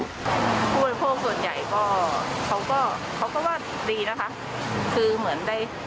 ผู้ประโยชน์ส่วนใหญ่เขาก็ว่าดีนะคะคือเหมือนได้จับจ่ายซื้อเหลือครึ่งนะคะ